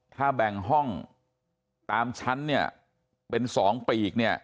ถ้าแบ่งห้องตามชั้นเป็น๒ปีก